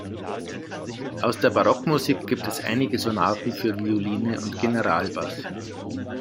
Aus der Barockmusik gibt es einige Sonaten für Violine und Generalbass.